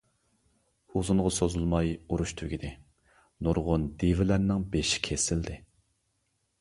ئۇزۇنغا سوزۇلماي ئۇرۇش تۈگىدى، نۇرغۇن دىۋىلەرنىڭ بېشى كېسىلدى.